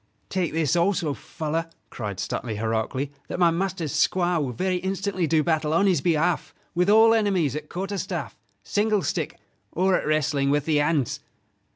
"Take this also, fellow," cried Stuteley, heroically: "that my master's squire will very instantly do battle on his behalf with all enemies at quarter staff, single stick, or at wrestling with the hands."